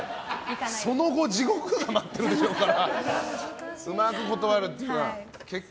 その後地獄が待ってるでしょうから。